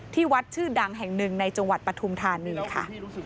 ที่วัดชื่อดังแห่งหนึ่งในจังหวัดปฐุมธานีค่ะ